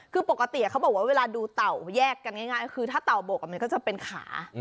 คือปกติเขาบอกว่าเวลาดูเต่าแยกกันง่ายคือถ้าเต่าบกมันก็จะเป็นขา